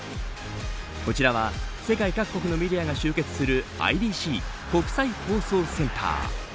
こちらは世界各国のメディアが集結するＩＢＣ国際放送センター。